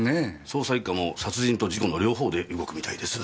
捜査一課も殺人と事故の両方で動くみたいです。